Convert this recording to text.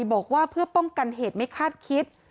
บอกว่าเพื่อป้องกันเหตุไม่คาดคิด